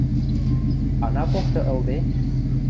— Ана покты ылде?!